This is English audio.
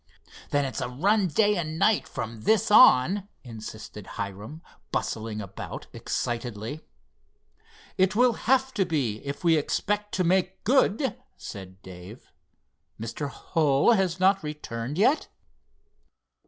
"Then it's a run day and night from this on," insisted Hiram, bustling about excitedly. "It will have to be, if we expect to make good," said Dave. "Mr. Hull has not returned yet?"